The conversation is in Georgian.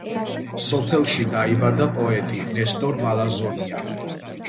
სოფელში დაიბადა პოეტი ნესტორ მალაზონია.